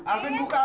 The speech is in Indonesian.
arvin buka dulu